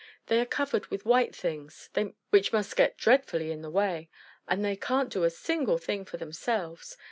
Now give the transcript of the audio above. They are covered with white things (which must get dreadfully in the way), and they can't do a single thing for themselves.